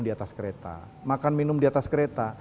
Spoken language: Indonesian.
di atas kereta makan minum di atas kereta